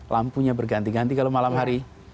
lampunya berganti ganti kalau malam hari